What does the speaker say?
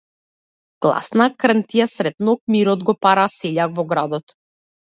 Гласна крнтија сред ноќ мирот го пара -сељак во градот.